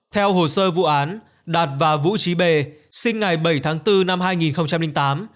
theo hồ sơ vụ án đạt và vũ trí bề sinh ngày bảy tháng bốn năm hai nghìn tám